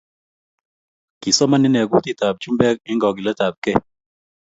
Kisomaan inne kutitab chumbek eng kogiiletabkei